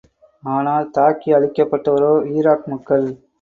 ஆனால் தாக்கி அழிக்கப்பட்டவரோ ஈராக் மக்கள்!